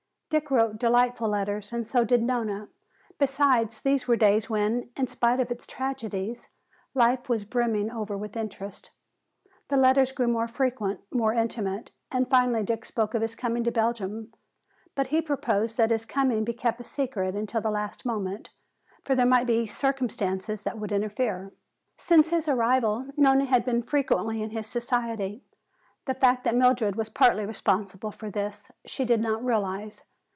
Dick wrote delightful letters and so did Nona. Besides, these were days when, in spite of its tragedies, life was brimming over with interests. The letters grew more frequent, more intimate, and finally Dick spoke of his coming to Belgium. But he proposed that his coming be kept a secret until the last moment, for there might be circumstances that would interfere. Since his arrival Nona had been frequently in his society. The fact that Mildred was partly responsible for this, she did not realize.